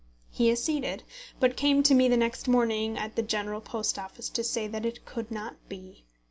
He acceded, but came to me the next morning at the General Post Office to say that it could not be.